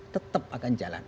tetap akan jalan